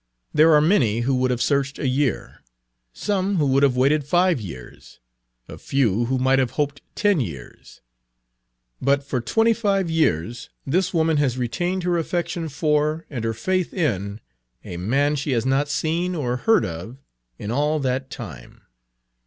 There are many who would have searched a year, some who would have waited five years, a few who might have hoped ten years; but for twenty five years this woman has retained her affection for and her faith in a man she has not seen or heard of in all that time.